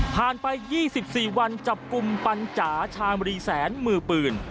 ไป๒๔วันจับกลุ่มปัญจ๋าชามรีแสนมือปืน